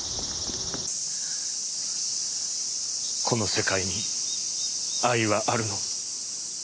この世界に愛はあるの？